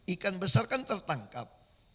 ikan besar kan tertangkap